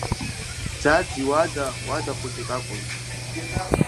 Ӡаӡ иуада, уада хәыҷык акәын.